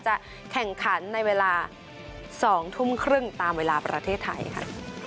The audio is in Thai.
จะแข่งขันในเวลา๒ทุ่มครึ่งตามเวลาประเทศไทยค่ะ